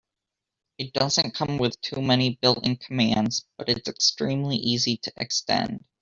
It doesn't come with too many built-in commands, but it's extremely easy to extend.